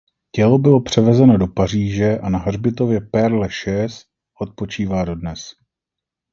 Tělo bylo převezeno do Paříže a na hřbitově Pere Lachaise odpočívá dodnes.